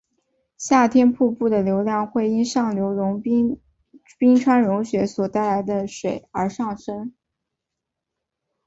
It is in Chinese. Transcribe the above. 夏天瀑布的流量会因上游冰川融雪所带来的水而上升。